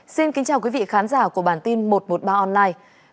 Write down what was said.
xin kính chào quý vị khán giả của bản tin một trăm một mươi ba online